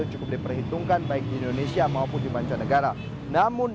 yang cukup diperhitungkan baik di indonesia maupun di banca negara namun